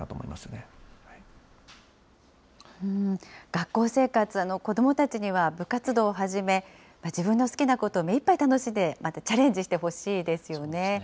学校生活、子どもたちには部活動をはじめ、自分の好きなことを目いっぱい楽しんで、またチャレンジしてほしいですよね。